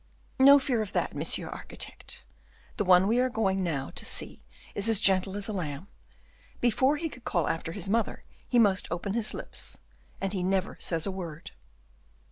"No fear of that, monsieur architect, the one we are now going to see is as gentle as a lamb; before he could call after his mother he must open his lips, and he never says a word."